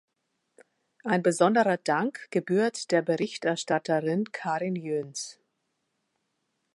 Ein besonderer Dank gebührt der Berichterstatterin Karin Jöns.